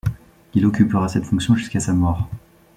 Il occupera cette fonction jusqu’à sa mort.